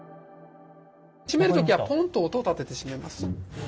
閉める時はトンと音を立てて閉めます。